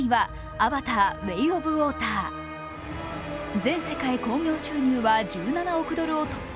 全世界興行収入は１７億ドルを突破。